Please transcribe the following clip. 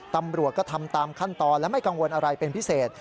ตำรวจก็ทำตามขั้นตอนและไม่กังวลอะไรเป็นพิเศษ